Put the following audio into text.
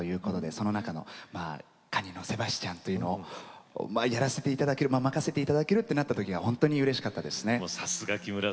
その中でもカニのセバスチャンをやらせていただく任せていただけるとなった時は本当にうれしかったですね。